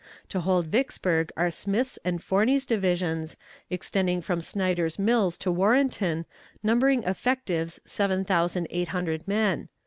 To hold Vicksburg are Smith's and Forney's divisions, extending from Snyder's Mills to Warrenton, numbering effectives seven thousand eight hundred men.